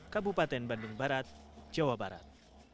kabupaten bandung barat jawa barat